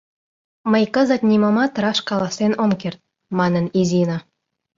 — Мый кызыт нимомат раш каласен ом керт, — манын Изина.